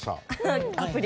アプリ？